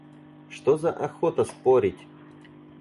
Что за охота спорить?